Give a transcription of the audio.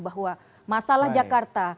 bahwa masalah jakarta